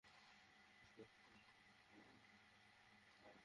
আমি আবার তার মুখোমুখি গিয়ে দাঁড়ালাম।